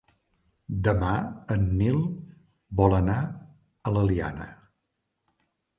Demà en Nil vol anar a l'Eliana.